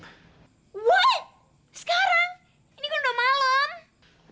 what sekarang ini kan udah malem